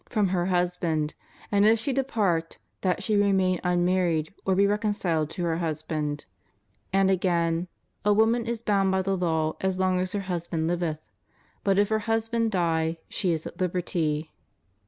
from her husband; and if she depart, that she remain un married or be reconciled to her husband} And again: A woman is bound by the law as long as her husband liveth; but if her husband die, she is at liberty."